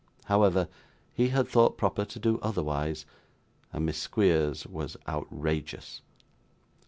However, he had thought proper to do otherwise, and Miss Squeers was outrageous.